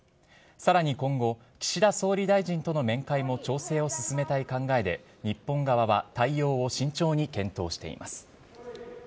さらに今後、岸田総理大臣との面会も調整を進めたい考えで、日本側は対応を慎重に検討しています。